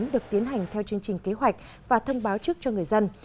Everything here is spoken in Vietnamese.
được tiến hành theo chương trình kế hoạch và thông báo trước cho người dân